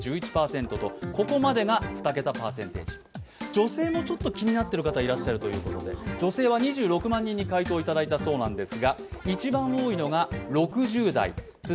女性も気になっている方いらっしゃるということで女性は２６万人い回答いただいたようです。